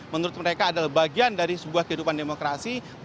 menurut mereka adalah bagian dari sebuah kehidupan demokrasi